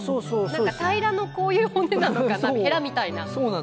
何か平らのこういう骨なのかなヘラみたいな。